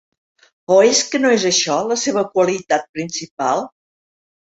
O és que no és això la seva qualitat principal?